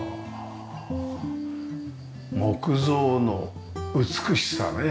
木造の美しさね。